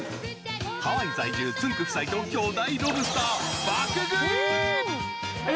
ハワイ在住、つんく♂夫妻と巨大ロブスター爆食い！